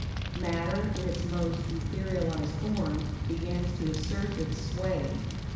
Matter, in its more etherealized form, begins to assert its sway.